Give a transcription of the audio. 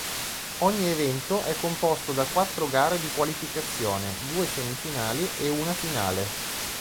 Ogni evento è composto da quattro gare di qualificazione, due semifinali e una finale.